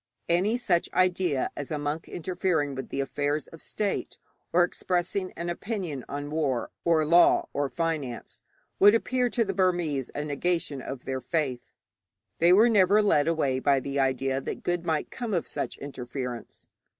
Any such idea as a monk interfering in the affairs of state, or expressing an opinion on war or law or finance, would appear to the Burmese a negation of their faith. They were never led away by the idea that good might come of such interference.